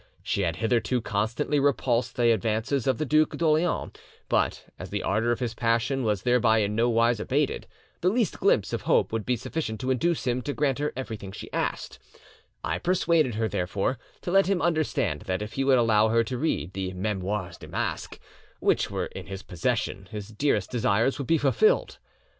She had hitherto constantly repulsed the advances of the Duc d' Orleans, but as the ardour of his passion was thereby in no wise abated, the least glimpse of hope would be sufficient to induce him to grant her everything she asked; I persuaded her, therefore, to let him understand that if he would allow her to read the 'Memoires du Masque' which were in his possession his dearest desires would be fulfilled.